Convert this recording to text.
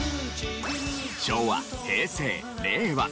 昭和平成令和。